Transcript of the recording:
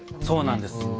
そうなんです。